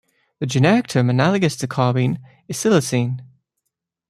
The generic term analogous to carbene is silicene.